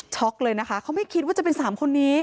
เลยนะคะเขาไม่คิดว่าจะเป็น๓คนนี้